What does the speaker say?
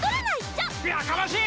やかましい！